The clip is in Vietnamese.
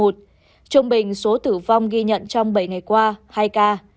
trung bình số tử vong ghi nhận trong bảy ngày qua hai ca